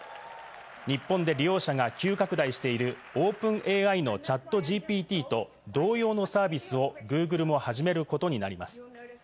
日本で利用者が急拡大しているオープンＡＩのＣｈａｔＧＰＴと同様のサービスをＧｏｏｇｌｅも始めることになります。